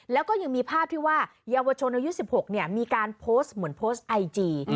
แล้วก็ยังมีภาพที่ว่าเยาวชนอายุ๑๖มีการโพสต์เหมือนโพสต์ไอจี